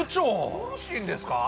よろしいんですか？